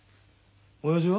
おやじは？